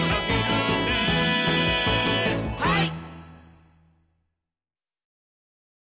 はい！